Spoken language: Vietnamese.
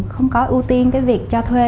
không có ưu tiên cái việc cho thuê